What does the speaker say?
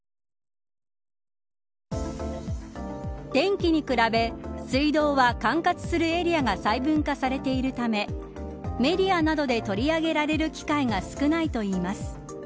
電気に比べ、水道は管轄するエリアが細分化されているためメディアなどで取り上げられる機会が少ないといいます。